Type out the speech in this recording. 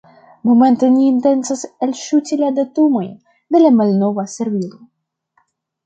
Momente ni intencas elŝuti la datumojn de la malnova servilo.